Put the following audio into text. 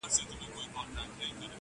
خو اصلي درد هېڅوک نه درک کوي سم,